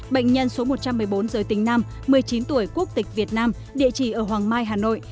bệnh nhân số một trăm một mươi bốn giới tính nam một mươi chín tuổi quốc tịch việt nam địa chỉ ở hoàng mai hà nội